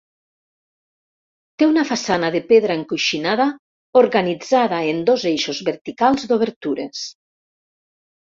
Té una façana de pedra encoixinada organitzada en dos eixos verticals d'obertures.